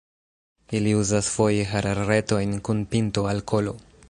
Ili uzas foje hararretojn kun pinto al kolo.